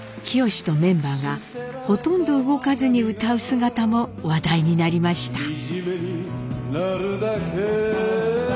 清とメンバーがほとんど動かずに歌う姿も話題になりました。